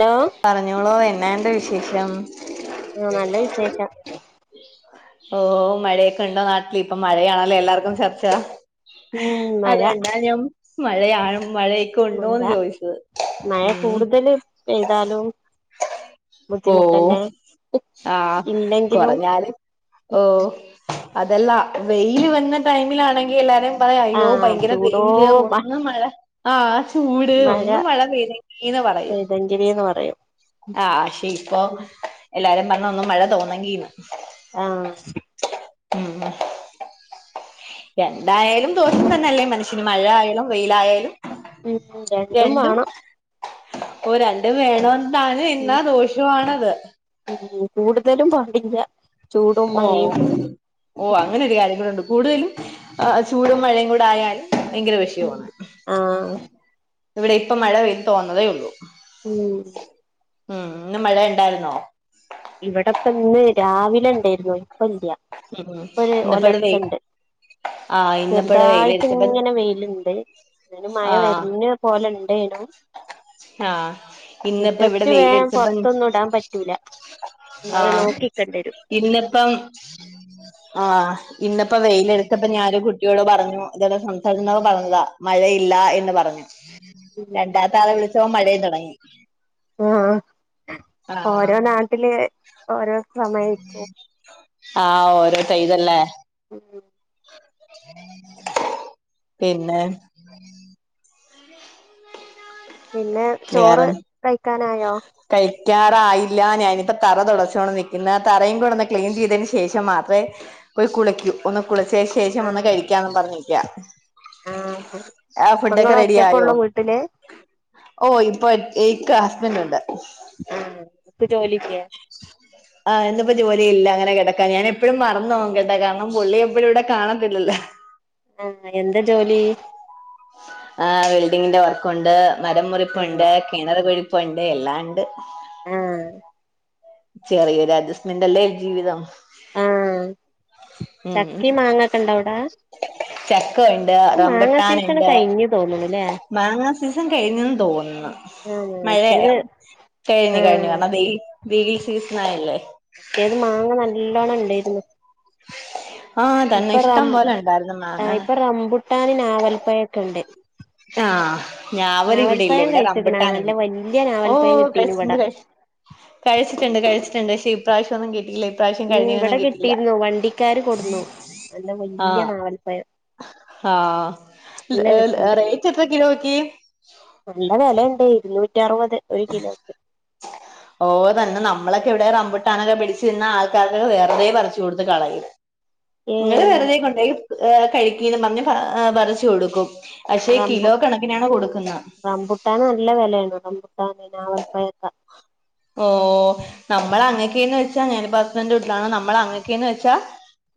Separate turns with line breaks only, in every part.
Law
പറഞ്ഞോളൂ എന്നാണ്ട് വിശേഷം?
ആഹ്! നല്ല വിശേഷം
ഓഹ് മഴൊക്കണ്ടൊ നാട്ട്ല് ഇപ്പ മഴയാണല്ലൊ എല്ലാർക്കും ചർച്ച
ഉം മഴ
അത് കൊണ്ടാണ് ഞാൻ മഴയാണ് മഴയൊക്കെ
മഴ
ഉണ്ടോന്ന് ചോദിച്ചത്?
മഴ
ഉം
കൂടുതല് പെയ്താലും
ഓഹ്
ബുദ്ധിമുട്ടന്നെ
ആഹ്
ഇല്ലെങ്കിലും
കൊറഞ്ഞാലും ഓഹ് അതല്ല വെയില് വന്ന ടൈമിലാണെങ്കി എല്ലാരും
ആ
അയ്യോ! ഭയങ്കര
ചൂടോ
വെയില്
മ
ഒന്ന് മഴ ആഹ്! ആഹ് ചൂട് ഒന്ന് മഴ പെയ്തീങ്കീന്ന് പറയും
ജിവീന്ന് പറയും
ആഹ്! പക്ഷെ ഇപ്പൊ എല്ലാരും പർഞു മഴ തോന്നങ്കീന്ന്
ആഹ്!
ഉം. എന്തായാലും ദോഷം തന്നെ അല്ലെ മനുഷ്യന് മഴയാലും വെയിലായാലും
ഉം
രണ്ടും
വേണം
ഓഹ് രണ്ടും വേണ മഴ എന്നാ ദോഷവാണത്
ഉം. കൂടുതലും പാടില്ല ചൂടും മഴയും
ഓഹ്. ഓഹ്. അങ്ങനൊരു കാര്യം കൂടണ്ട് കൂടുതലും ഏഹ് ചൂടും മഴയും കൂട ആയാല് ഭയങ്കര വിഷയവാണ്.
ആ
ഇവടെ ഇപ്പൊ മഴ പെയ്ത് തോന്നതേ ഉള്ളു!
ഉം.
ഉം. ഇന്ന് മഴ ഇണ്ടാര്ന്നോ?
ഇവിടെപ്പ ഇന്ന് രാവിലെ ഇണ്ടേര്ന്നു ഇപ്പ ഇല്ല്യ
ഉം
ഇപ്പൊ ഒര്
ഇന്നിപ്പടെ വെയി
ഒലർച്ചണ്ട്
ആ ഇന്നിപ്പടെ
ചെറുതായിട്ട്
വെയിലടിച്ചപ്പ
ഇങ്ങനെ വെയിലുണ്ട് അതിനും മഴ
ആ
വരഞ്ഞ പോലെ ഉണ്ടേനു
ആ ഇന്നിപ്പ ഇവിടെ
മുറ്റത്ത് വേ പൊറത്തൊന്നും ഇടാൻ പറ്റൂല! ഇങ്ങനെ
ആഹ്,
നോക്കിക്കണ്ടരും !
ഇന്നിപ്പം ആഹ്! ഇന്നിപ്പോ വെയില് എടുത്തപ്പോ ഞാനൊ കുട്ടിയോട് പറഞ്ഞു ഇതോടെ സംസാരിക്കുന്നക്ക പറഞ്ഞതാ മഴയില്ല എന്ന് പറഞ്ഞു രണ്ടാമത്താളെ ആളെ വിളിച്ചപ്പോ മഴയും തുടങ്ങി
ആഹ്
ആഹ്
ഓരോ നാട്ടില് ഓരോ സമയക്കും
ആഹ് ഓരോ തയ്ലല്ലേ
ഉം.
പിന്നെ ഉ [inaudible]
പിന്നെ
വേറെ
ചോറ് കഴിക്കാനായോ?
കഴിക്കാറായില്ല ഞാനിപ്പ തറ തൊടച്ചോണ്ട് നിക്കുന്ന് തറയും കൂടെ ഒന്ന് ക്ലീൻ ചെയ്തതിന് ശേഷം മാത്രേ- പോയി കുളിക്കും ഒന്ന് കുളിച്ചേ ശേഷം വന്ന്
ആഹ്
കഴിക്കാന്ന് പറഞ്ഞിരിക്ക ആ ഫുഡൊക്കെ റെഡി ആയോ?
ട്ടില്
ഓ ഇപ്പൊ എയിക്ക് ഹസ്ബൻറ് ഉണ്ട്
ആ ഇപ്പ ജോലി ഇല്ലേ
ആഹ് ഇന്നിപ്പോ ജോലി ഇല്ല അങ്ങനെ കിടക്കാ ഞാന് പ്പോഴും മറന്നൊവും കേട്ടാ കാരണം പുള്ളി എപ്പോഴും ഇവിടെ കാണത്തില്ലല്ലാ
ആഹ് എന്താ ജോലി
ആഹ് വെൽഡിങ്ങിന്റെ വർക്കുണ്ട് മരം
ആഹ്
മുറിപ്പുണ്ട് കിണർ കുഴിപ്പുണ്ട് എല്ലാം ഉണ്ട്
ആഹ്
ചെറിയൊരു അഡ്ജസ്റ്റ്മന്റെല്ലേ ജീവിതം
ആ
ഉം
ചക്കിം മാങ്ങൊക്കെ ഇണ്ടോ അവിടെ
ചക്ക ഉണ്ട്
സീസണ്
റംമ്പുട്ടാനിണ്ട്
കഴിഞ്ഞു തോന്ന്ണുല്ലേ
മാങ്ങാ സിസൺ കഴിഞ്ഞെന്ന് തോന്നുന്ന്
ആഹ്
മഴേ
മറ്റേത്
കഴിഞ്ഞു കഴിഞ്ഞു
ആഹ്
കാരണം വെയിലീ സീസൺ ആയല്ലേ
ഏത് മാങ്ങ നല്ലൊണം ഇണ്ടേരുന്നു
ആഹ് തന്നെ ഇഷ്ടം പോലെ ഉണ്ടായിരുന്നു മാങ്ങ
റംമ്പുട്ടാന് ഞാവൽപ്പയൊക്കെണ്ട്
ആഹ് ഞവലിവിടെയില്ല ഇവിടെ
കഴിച്ച്ക്ക്ണോ
റംമ്പട്ടാൻ
നല്ല വല്യ
ഓ
നാവൽപ്പഴം കിട്ടീന് ഇവിടെ
കയിച്ചിണ്ട് കയിച്ചിണ്ട് കഴിച്ചിട്ടുണ്ട് കഴിട്ടുണ്ട് പക്ഷ ഇപ്രാവശ്യൊന്നും കിട്ടയില്ല
ഉം ഇവിടെ കിട്ടിയിരുന്നു വണ്ടിക്കാര് കൊടുന്നു നല്ല
ആ
വല്യ നാവൽപ്പഴം
ആഹ്
നല്ല
ലെ ലെ
രസണ്ട്
റേറ്റ് എത്ര കിലോക്കി
നല്ല വെലണ്ട് ഇരുന്നൂറ്റി അറുപത് ഒരു കിലോക്ക്
ഓ തന്നെ നമ്മളൊക്കെ ഇവിടെയും റംമ്പൂട്ടാനൊക്കെ പിടിച്ചിരുന്ന ആൾക്കാർക്കെ വെറുതെ പറിച്ച് കൊടുത്ത് കളയും
[inaudible]
നിങ്ങള്
ഏഹ്
വെറുതെ കൊണ്ടോയി കഴിക്കീന്ന് പറഞ്ഞ് പറച്ച് കൊടുക്കും പക്ഷേ കിലോ കണക്കിനാണ് കൊടുക്കുന്നേ
മുട്ടാൻ നല്ല വിലയാണ് റംമ്പുട്ടാന് അവൽപ്പായൊക്കെ
ഓ നമ്മള് അങ്ങക്കെയന്ന് വെച്ചാ ഞാൻപ്പോ ഹസ്ബന്റെ വീട്ടിലാണ് നമ്മൾ അങ്ങക്കന്ന് വെച്ചാൽ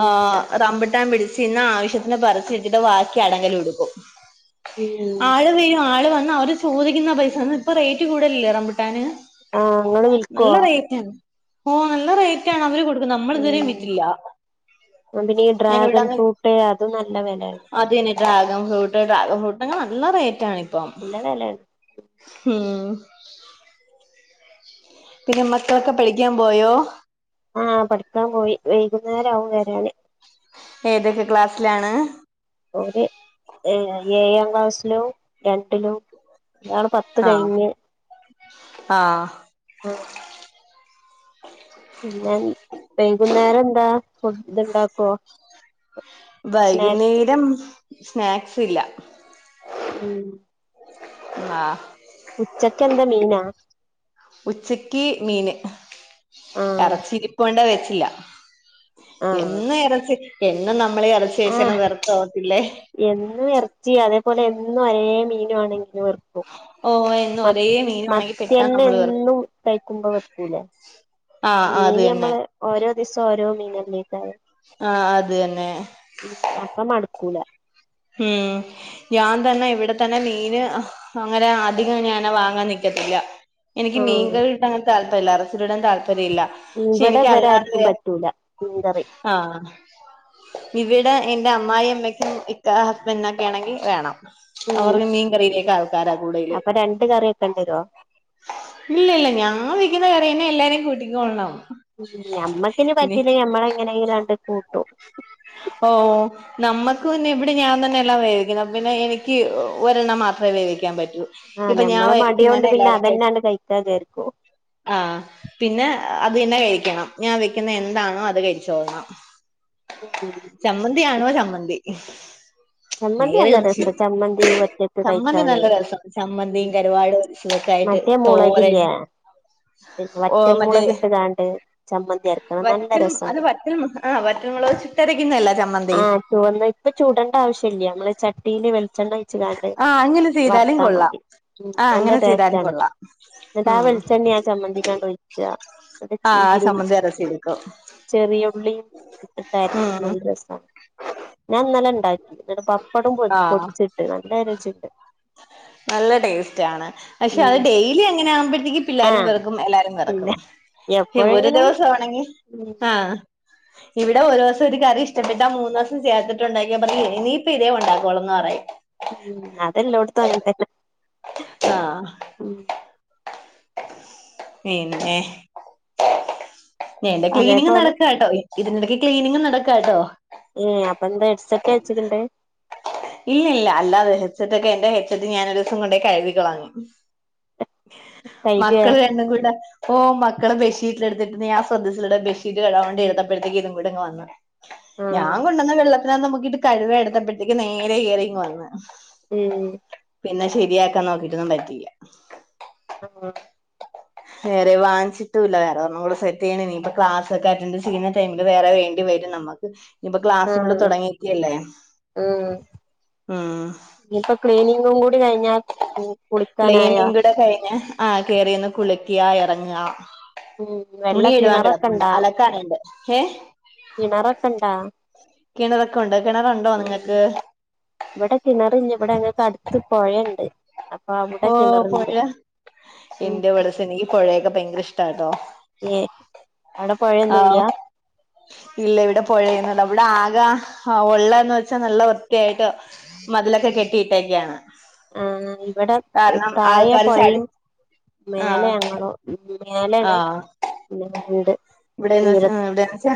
ഉം
ആഹ് റംമ്പിട്ടാൻ പിടിച്ച് നിന്നാ ആവശ്യത്തിന് പറിച്ച് ഇട്ടിട്ട് വാക്കി അടങ്കല ഉടുക്കും
ഉം
ആള് വരും ആള് വന്ന് അവര് ചോദിക്കുന്ന പൈസാന്ന് ഇപ്പൊ റേറ്റ് കൂടുതലല്ലേ റംമ്പുട്ടാന്
ആഹ് അങ്ങള് വി
നല്ല റേറ്റാണ് ഓ നല്ല റേറ്റ് ആണ് അവര് കൊടുക്കുന്നത് നമ്മളിതുവരെ വിറ്റില്ല
ആഹ് പിന്നെ ഈ
ഞാൻ
ഡ്രാഗൺ
ഇവിടെന്ന്
ഫ്രൂട്ട് അതും നല്ല വെലയാണ്
അതന്നെ ഡ്രാഗൻ ഫ്രൂട്ട് ഡ്രാഗൻ ഫ്രൂട്ടിന് നല്ല റേറ്റാണിപ്പം
നല്ല വെലയാണ്
ഉം [inaudible] പിന്നെ മക്കളൊക്കെ പഠിക്കാൻ പോയോ
ആ പഠിക്കാൻ പോയി വൈകുന്നേരാവും വരാന്
ഏതൊക്കെ ക്ലാസ്സിലാണ്
ഓര് ഏ ഏഴാം ക്ലാസ്സിലും രണ്ടിലും ഒയാള് പത്ത്
ആഹ്
കയിഞ്ഞ്
ആഹ്
ആഹ് പിന്നെ വൈകുന്നേരം എന്താ ഫുഡ് ഇണ്ടാക്കൊ
വൈകുന്നേരം സ്നാക്സ് ഇല്ല
ഉം
ആഹ്
ഉച്ചക്കെന്താ മീനാ
ഉച്ചക്ക് മീന്
ആഹ്
എറച്ചിരിപ്പൊണ്ട് വെച്ചില്ല
ആഹ്
എന്നു എറച്ചി എന്നു നമ്മളീ എറച്ചി കയിച്ചാ
ആഹ്
വെറുത്തുപോകത്തില്ലേ
എന്നും ഇറച്ചി അതേപോലെ എന്നും ഒരേ മീനും ആണെങ്കിലും വെറുക്കു ക്കും
ഓ എന്നും
മത്
ഒരേ മീനാണെങ്കി പെട്ടെന്ന്
മത്തിന്നെ
നമ്മള് വെറുക്കും
എന്നും കഴിക്കുമ്പോ വെക്കൂലേ
ആഹ് ആഹ് അത്
മീന്
തന്നെ
നമ്മള് ഓരോ ദിവസം ഓരോ മീനല്ലേ
ആഹ് അത് തന്നെ
അപ്പ മടുക്കൂല
ഉം ഞാൻ തന്നെ ഇവിടെ തന്നെ മീന് അങ്ങനെ അധികം ഞൻ വാങ്ങാൻ നിക്കത്തില്ല എനിക്ക് മീൻ
ആഹ്
കറി ഇടാ താല്പര്യം ഇല്ലാ [unintelligible] ഇടാൻ താല്പര്ം രില്ല പക്ഷെ
ഇവിടെ
എനിക്കല്ലാത
ഇവരാർക്കും
വേറെ
പറ്റൂല മീൻ കറി
- ആഹ് ആഹ് ഇവിടെ എന്റെ അമ്മായമ്മക്കും ഹസ്ബൻഡിനൊക്കെ ആണെങ്കിൽ വേണം അവർ
ഉം
മീൻ കറിയിലേക്ക ആൾക്കാരാ കൂടെ
അപ്പൊ രണ്ട് കറിിയ വെക്കെണ്ട വരുവോ
ഇല്ല ഇല്ല ഞാൻ വെക്കുന്ന കറിയന്നെ എല്ലാരെയും കൂട്ടിക്കോളൂ
ഉ ഞമ്മക്കിനിപറ്റീല്ലങ്കി ഞമ്മള എങ്ങനെയെങ്കിലാണ്ട് കൂട്ടും
ഓഹ് നമ്മുക്ക്‌ പിന്നെ ഇവിടെ ഞാൻ തന്നെ എല്ലാം വേവിക്കുന്നു പിന്നെ എനിക്ക് ഒരെണ്ണം മാത്രമേ വേവിക്കാൻ പറ്റൂ
ആഹ്
ഇപ്പൊ ഞാൻ
ഞമ്മളെ മടിയോണ്ട്
വേവിക്കുന്നന്നെ
പിന്നെ അതന്നെയാണ്ട് കയ്ച്ചാ വിചാരിക്കു
ആ പിന്നെ അതന്നെ കഴിക്കണം ഞാൻ വെക്കുന്ന എന്താണോ അത് കഴിച്ചോണം
[inaudible]
ചമ്മന്തിയാണോ ചമ്മന്തി
ചമ്മന്തി
വേറെ
നല്ല
ഒന്ന
രസാ
ശെരി
ചമ്മന്തി ഒറ്റക്ക്
ചമ്മന്തി
കഴിക്കാന്
നല്ല രസം ചമ്മന്തിയും
ഉം
കരിവാാടും തക്കായിട്ട്
മറ്റേ
തോരൻ
മുളകില്ലേ പിന്നെ
ഓ
വറ്റൽ
മറ്റേ
മുളകിട്ട്കാണ്ട് ചമ്മന്തി അരക്കണം നല്ല
വറ്റൽ അത്
രസാണ്
വറ്റൽ ആഹ് വറ്റ മൊളക് ചുറ്റരക്കുന്നല്ല ചമ്മന്തി
[unintelligible] ഇപ്പ ചുടണ്ട ആവശ്യമില്ല നമ്മള് ചട്ടിയില് വെ - ഭക്ഷണം കഴിച്ച് കാണ്ട്
ആഹ് അങ്ങനെ ചെയ്താലും
വർത്താ
കൊള്ളാം
മതി ഉം
ആഹ്
നല്ല
അങ്ങനെ
ടേസ്റ്റ്
ചെയ്താലും
ആണ്
കൊള്ളാം
എന്നിട്ട് ആ
ഉം
വെളിച്ചെണ്ണയാ ആ ചമ്മന്തിക്കാണ്ട്‌ ഒഴിക്കുക
ആഹ് ചമ്മന്തി അരച്ചെടുക്കും
ചെറിയുള്ളിയും ഇട്ടിട്ടയരച്ച
ഉം
നല്ല രസമാണ് ഞാൻ ഇന്നലെ ഇണ്ടാക്കി പപ്പടം പൊ
ആഹ്
പൊടിച്ചിട്ട് നല്ല രുചി ഒണ്ട്
നല്ല ടേസ്റ്റ് ആണ് പക്ഷെ അത്
ഉം
ഡെയിലി അങ്ങനെ ആകുമ്പോഴത്തേക്ക്- പിള്ളാരും
ആഹ്
വെറുക്കും എല്ലാരും വെറുക്കും
പിന്നെ
ഈ ഒരു
എപ്പോഴെങ്കിലും
ദിവസ ആണെങ്കിൽ
ഉം
ആഹ് - ഇവിടെ ഒരു ദിവസം ഒരു കറി ഇഷ്ടപ്പെട്ടാ മൂന്ന് ദെവസം ചേർത്തിട്ട് ഉണ്ടാക്കിയാൽമതി - ഇപ്പൊ ഇതേ ഒണ്ടാക്കോള്ളന്ന് പറയും
ഉം അതല്ലാടുത്തും അങ്ങനെ തന്നെ
ആഹ്
ഉം
പിന്നെ എന്റെ ക്ലീനിങ്
അതേപോലെ
നടക്കുക കേട്ടോ ഇതിനിടയ്ക്ക് ക്ലീനിങ് നടക്കുവാ കേട്ടോ
ഏ അപ്പ എന്താ ഹെഡ്സെറ്റ് വെച്ചിട്ടുണ്ട്
ഇല്ല ഇല്ല അല്ലാതെ എന്റെ ഹെട് സെറ്റ് ഞാനൊരു ദിവസം കൊണ്ട്‌ കഴകി കളഞ്ഞു
കൈകേ
മക്കള് രണ്ടും കൂടെ ഓഹ് മക്കള് ബെഡ്ഷീെറ്റില് എടുത്ത് ഇട്ടിരുന്നു ഞാൻ ശ്രദ്ദിച്ചില്ല ബെഡ്ഷീറ്റ് കഴുകാൻ വേണ്ടി എടുത്തപ്പളെ ഇതും കൂടി ഇങ്ങ് വന്നു ഞാൻ
ആഹ്
കൊണ്ടുവന്ന വെള്ളത്തിനകന്ന് മുക്കിയിട്ട് കഴുവി എടുത്തപ്പോഴത്തേക്ക് നേരെ കേറി ഇങ്ങ് വന്ന്
ഉം
പിന്നെ ശരിയാക്കാൻ നോക്കിട്ടോന്നും പറ്റിയില്ല
ആഹ് ആഹ്
വേറെ വാങ്ങിച്ചിട്ടുംയില്ലാരുന്നു ഒന്നുകൂടെ സെറ്റ് ചെയ്യണം ഇനി ഇപ്പൊ ക്ലാസ് ഒക്കെ അറ്റൻറ് ചെയ്യണം ടൈമില് വേറെ വേണ്ടി വരും നമ്മക്ക് ഇപ്പൊ ക്ലാസ്സും കൂടെ
ആഹ്
തൊടങ്ങിക്കല്ലേ
ആഹ്
ഉം
ഇനിയിപ്പോ ക്ലീനിങ്ങും കൂടി കഴിഞ്ഞാൽ-
ക്ലീനിക്കൂടെ കഴിഞ്ഞ് ആ കേറി ഒന്ന് കുളിക്കുക എറങ്ങുക
ഉം വെള്ള
തുണി കഴുവാൻ
കിണറൊക്കെ
കെടപ്പോണ്ട്
ഇണ്ടാ
അലക്കാറുണ്ട് ഏ-
കിണറൊക്കെ ഇണ്ടാ
കിണറൊക്കെ ഒണ്ട് കിണറുണ്ടോ
ഉം
നിങ്ങൾക്ക്
ഇവിടെ കിണറില്ല ഇവിടെ അങ്ങക്ക് അടുത്ത് പൊഴഴുണ്ട് അപ്പൊ അവിടെ
ഓ
കിണറുണ്ട്
പൊഴ
ഉം
എന്റെ ഇവിടെ എനിക്ക് പൊഴയൊക്കെ ഭയങ്കര ഇഷ്ടമാ കെട്ടോ
[unintelligible] അവിടെ
ആഹ്
പൊഴയൊന്നുല്ല
ഇല്ല ഇവിടെ പൊഴ ഒന്നുമില്ല അവിടെ ആകെയുള്ളന്ന് വെച്ചാ നല്ല വൃത്തിയായിട്ട്- മതിലൊക്കെ കെട്ടിയിട്ടേക്കാണ്
ആന് ഇവിടെ-
കാരണം
തായ
ആൾക്കാര് ചാടി
പൊഴയും
ആ
മേലലെ ഞങ്ങളോ
ആ
മേലയാണ് - ഉ [unintelligible] ഉണ്ട്
ഇവിടെന്ന് വച്ചാ ഇവിടെന്ന് വെച്ചാ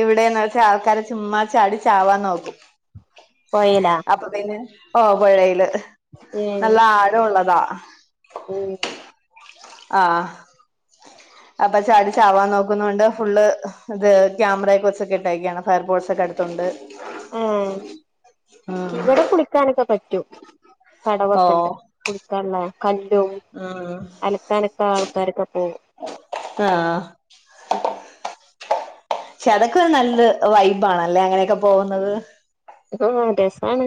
ഇവിടെന്ന് വച്ചാ ആൾക്കാരെ ചുമ്മാ ചാടി ചാവാൻ നോക്കും
പോഴയിലോ
അപ്പൊ പിന്നെ ഓ പൊഴയില്
ഏ
നല്ല ആഴയുള്ളതാ
ഉം
ആഹ് ആഹ്
[inaudible]
അപ്പൊ ചാട ചാവാൻ നോക്കുന്ന കൊണ്ട് ഫുള് ഇത് ക്യാമറയെ കൊറച്ചൊക്കെ ഇട്ടക്കയാണ് ഫയർ ഫോർട്സ് ഒക്കെ എടുത്തൊണ്ട്
ആഹ
ആഹ്
ഇവിടെ കുളിക്കാനൊക്കെ പറ്റൂ
ഓ
കടവൊക്കെണ്ട് കുടിക്കല്ല കല്
ആഹ്
അലക്ക അനക്ക ആൾക്കാരൊക്കെ പോകും
ആഹ് പക്ഷേ അടൊക്ക ഒരു നല്ല വൈബ് ആണല്ലേ അങ്ങനെയൊക്കെ പോകുന്നത്
ആഹ രസാണ്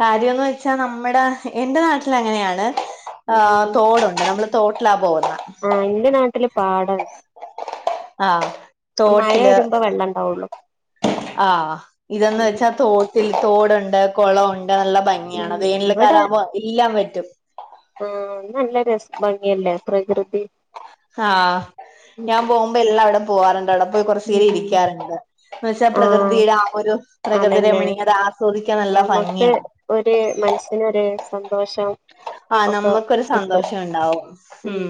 കാര്യന്ന് വെച്ചാ നമ്മുടെ എന്റെ നാട്ടിൽ അങ്ങനെയാണ് ആ്
ഉം
തോടുണ്ട് നമ്മള് തോട്ടിലാ പോകുന്ന
ആഹ എന്റെ നാട്ടില് പാട്ടാണ്
ആഹ്
മഴ
തോട്ടില്
വരുമ്പോ വെള്ളം ഉണ്ടാവുള്ളു
ആഹ ഇതന്ന്
ഉം
വെച്ചാ തോ ത്തിൽ തോടുണ്ട് കുളംുണ്ട് നല്ല ഭംഗിയാണ്
ഉം
വേനൽക്കാലവുമ്പോ എല്ലാം വറ്റും
ആഹ നല്ല രസ ഭംഗിയല്ലേ പ്രകൃതി
ആഹ ഞാൻ പോകുമ്പോ എല്ലാം അവിടെ പോവാാറുണ്ട് അവിടെ പോയി കൊറച്ചു
ഉം
ചേരംഇരിക്കാറുണ്ട് എന്ന വെച്ചാൽ
ആ
പ്രകൃതിയുടെ ആ ഒരു പ്രകൃതി
അതന്നെ
രമണീ അത് ആസ്വദിക്കാൻ നല്ല
ഞമ്മക്ക്
ഭംഗിയാണ്
ഒരു മനസ്സിനരു സന്തോഷം
ആ
ഒക്കെ
നമ്മക്കരു
കിട്ടും
സന്തോഷം ഉണ്ടാവും
ഉം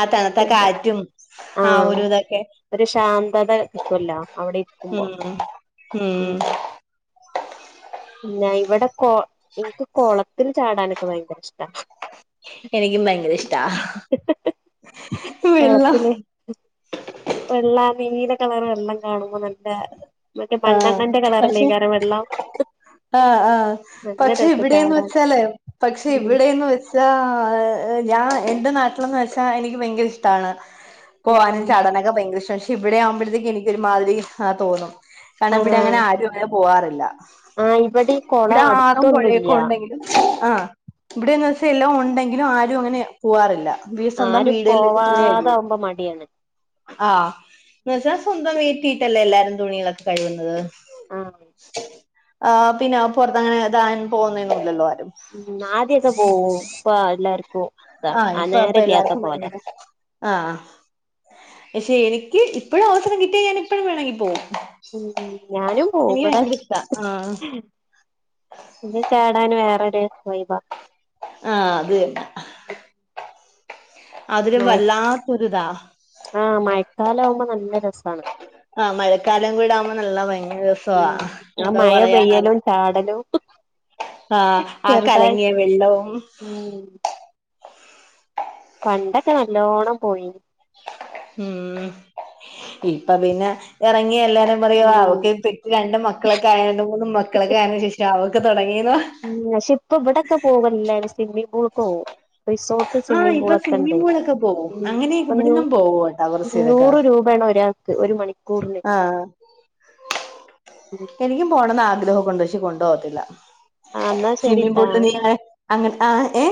ഉ തണത്തെ
പിന്നെ
കാറ്റും ആ ഒരു
ആഹ്
ഇതൊക്കെ
ഒരു ശാന്തത കിട്ടുമല്ലോ അവിടെ ഇരിക്കുമ്പോ
ഉം ഉം
പിന്ന ഇവിടെ കോ എനിക്ക് കുളത്തിൽ ചാടാനൊക്കെ ഭയങ്കര ഇഷ്ടാ
എനിക്കും ഭയങ്കര ഇഷ്ടാ വെള്ളം
വെള്ളം നീല കളർ വെള്ളം കാണുമ്പോ നല്ല മെ
ആഹ്
മണ്ണെണ്ണന്റെ കളർണ്ടഈ കാരം വെള്ളം
ആഹ ആഹ
നല്ല
പക്ഷെ
രസം
ഇവിടെന്ന്
ചാടാൻ
വെച്ചാലേ പക്ഷെ
ഉം
ഇവിടെന്ന് വെ ഞാൻ എൻന്റെ നാട്ടിലന്ന് വെച്ചാ എനിക്ക് ഭയങ്കര ഇഷ്ടാണ് പോകാനും
ഉം
ചടനൊക്കെ ഭയങ്കര ഇഷ്ടമാണ് പക്ഷെ ഇവിടെ ആവുമ്പോഴത്തേക്ക് എനിക്ക് ഒരുമാതി ആ തോന്നും കാരണം ഇവിടെ
ആഹ്
അങ്ങനെ ആരും അങ്ങനെ പോവാാറില്ല
ആഹ് ഇവിടെ ഈ
ഇവിടെ
കൊളം
ആറും പുഴയൊക്കെ
അടുത്തൊന്നുല്ല
ഉണ്ടെങ്കിൽ ആഹ ഇവിടെന്ന് വെച്ചാ എല്ലാം ഉണ്ടെങ്കിലും ആരും അങ്ങനെ പോവാറില്ലീ സ്വന്തം
ആരും
വീടിലേക്ക് തുങ്ങിഴും
പോവാതാവുമ്പോ മടിയാണ്
ആഹ എന്ന വെച്ചാ സ്വന്തം വീട്ടിയിട്ടല്ലേ എല്ലാരും തുണികളൊക്കെ കഴുകുന്നത്
ആഹ്
ആ പിന്നെ പുറത്ത്ങ്ങനെതൻ പോുന്നന്നല്ലല്ലോ ആരും
ഉം ആദ്യക്കാ പോവും ഇപ്പ എല്ലാർക്കും ഇതാണ്
ആഹ്
ആ
ഇപ്പൊ അപ്പൊ
നേരല്ലാത്ത
എല്ലാർക്കും
പോലെ
പറ്റൂല ആഹ പക്ഷെ എനിക്ക് ഇപ്പഴും അവസരം കിട്ടിയ ഞാൻ ഇപ്പഴും വേണമെങ്കി പോവും
ഉം ഞാനും പോവും
എനിക്ക്
ഇവടെ
ഭയങ്കര ഇഷ്ടാ ആഹ്
ഇത് ചാടാൻ വേറരു വൈബ
ആഹ അത് തന്നേ അതിന് വല്ലാത്തൊരിതാ
ആഹ മഴക്കാലാവുമ്പോ നല്ല രസാണ്
ആഹ മഴക്കാലം കൂടാവുമ്പോ നല്ല ഭയങ്കര രസവാ
ഉം ആ
എന്തോ
മഴ
പറയാന
പെയ്യലും ചാടലും
ആഹ ആ
ചെറുതായി
കലങ്ങിയ വെള്ളവും
ഉം പണ്ടൊക്കെ നല്ലോണം പോയിന്
ഉം ഇപ്പ പിന്നെ എറങ്ങിയ എല്ലാരും പറയുവാ
ഉം
അവക്ക് രണ്ട് മക്കളൊക്കെ ആയോണ്ട് മൂന്നും മക്കളൊക്കെ അയതിന് ശേഷം അവർക്ക് തൊടങ്ങിന്ന് പ
ഉം പക്ഷെ ഇപ്പ ഇവിടെക്കെ പോകലില്ലേ സ്വിമ്മിംങ് കോട്ടും റിസോ
ആഹ്
സ്വിമ്മിംങ്
ഇപ്പൊ
പൂളക്കെ ഇണ്ട്
സ്വിമ്മിംഗ് പൂളൊക്കെ പോവും അങ്ങനെയൊക്കെ ഇവിടന്നും പോവും കേട്ടോ കുറച്ചേരൊക്കെ
നൂറ് രൂപാണ് ഒരാ ഒരു മണിക്കൂറിന്.
ആഹ്
ഉം
എനിക്കും പോണംന്ന് ആഗ്രഹം ഒക്കെ ഒണ്ട് പക്ഷെ കൊണ്ടു പോവത്തില്ല.
ആഹ് എന്നാ
സ്വിമ്മിങ്
ശരിട്ടാ
പൂളില് നീന്താൻ അങ്ങന ആ ഏഹോ